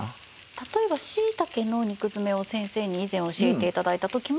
例えばしいたけの肉づめを先生に以前教えて頂いた時もそうでした。